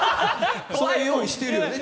用意してるよね。